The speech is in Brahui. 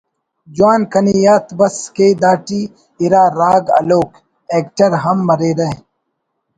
جوان کنے یات بس کہ دا ٹی اِرا راگ ہلوک ”ایکٹر“ ہم مریرہ